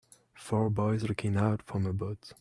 four boys looking out from a boat